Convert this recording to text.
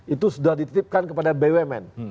itu sudah dititipkan kepada bumn